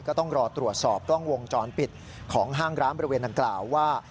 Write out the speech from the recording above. ก็ต้องรอตรวจสอบกล้องวงจรปิดของห้างร้านบริเวณดังกล่าวว่า